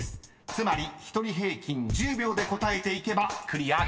［つまり１人平均１０秒で答えていけばクリアできます］